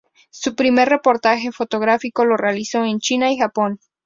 Su primer reportaje fotográfico lo realizó en China y Japón.